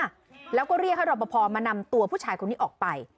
แล้วก็เรียกให้รอปภมานำตัวผู้ชายคนนี้ออกไป